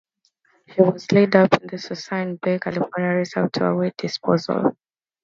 She was laid up in the Suisun Bay, California, reserve to await disposal.